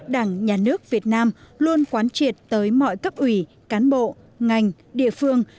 đảng nhà nước việt nam luôn quán triệt tới mọi cấp ủy cán bộ ngành địa phương